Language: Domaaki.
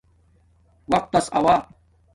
وقتس آوہ